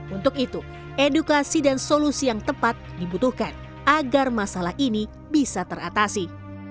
untuk itu edukasi dan solusi yang tepat dibutuhkan agar masalah ini bisa teratasi